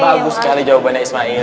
bagus sekali jawabannya ismail